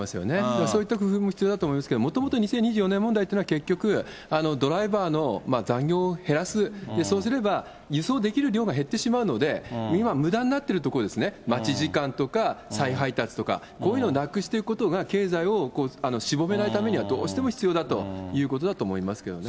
そういった工夫も必要だと思いますけど、もともと２０２４年問題っていうのは、結局、ドライバーの残業を減らす、そうすれば輸送できる量が減ってしまうので、今、むだになってるところですね、待ち時間とか再配達とか、こういうのをなくしていくことが、経済をしぼめないためにはどうしても必要だということだと思いますけどね。